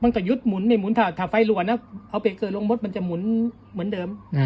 มันก็ยุดหมุนเหมือนถ้าไฟตะนั้มากมันจะหมุนเหมือนเดิม